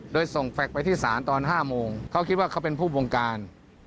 โดยส่งแฟคไปที่ศาลตอน๕โมงเขาคิดว่าเขาเป็นผู้บงการ